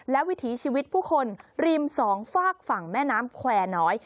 และวิถีชีวิตผู้คนริมสองฝากฝั่งแม่น้ำแควร์น้อย